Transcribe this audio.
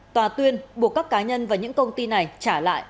tòa tuyên buộc các cá nhân và những công ty này trả lại